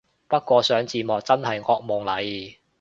不過上字幕真係惡夢嚟